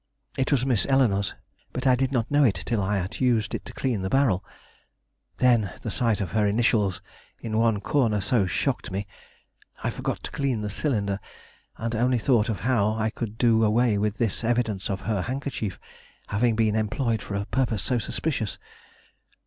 It was Miss Eleanore's, but I did not know it till I had used it to clean the barrel; then the sight of her initials in one corner so shocked me I forgot to clean the cylinder, and only thought of how I could do away with this evidence of her handkerchief having been employed for a purpose so suspicious.